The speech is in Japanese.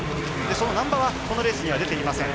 その難波はこのレースには出ていません。